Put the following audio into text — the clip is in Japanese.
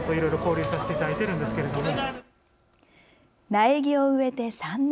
苗木を植えて３年。